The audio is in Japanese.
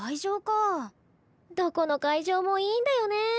どこの会場もいいんだよねえ。